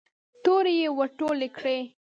تورې يې ور ټولې کړې.